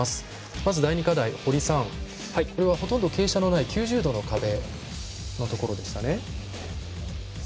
まず第２課題堀さん、これはほとんど傾斜のない９０度の壁のところでしたね。